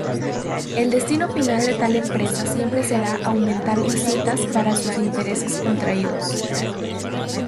El destino final de tal empresa siempre será aumentar visitas para sus intereses contraídos.